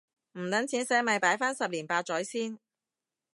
唔等錢洗咪擺返十年八載先